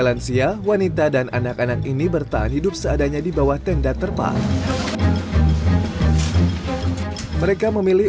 lansia wanita dan anak anak ini bertahan hidup seadanya di bawah tenda terpal mereka memilih